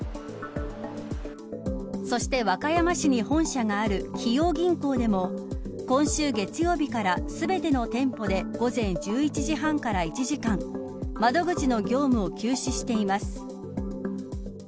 そして和歌山市に本社がある紀陽銀行でも、今週月曜日から全ての店舗で午前１１時半から１時間窓口の業務を休止しています。